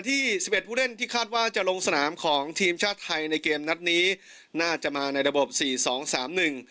ที่สิบเอ็ดผู้เล่นที่คาดว่าจะลงสนามของทีมชาติไทยในเกมนัดนี้น่าจะมาในระบบสี่สองสามหนึ่ง